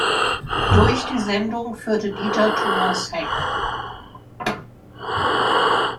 Durch die Sendung führte Dieter Thomas Heck.